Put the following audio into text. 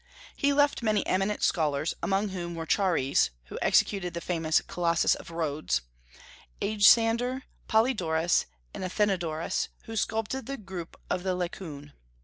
He left many eminent scholars, among whom were Chares (who executed the famous Colossus of Rhodes), Agesander, Polydorus, and Athenodorus who sculptured the group of the "Laocoön."